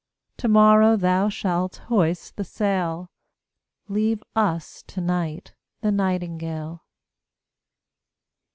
To morrow thou shalt hoist the sail; Leave us to night the nightingale.